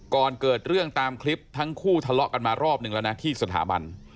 ก่อนเกิดเรื่องตามคลิปทั้งคู่ทะเลาะกันมารอบหนึ่งแล้วนะที่สถาบัน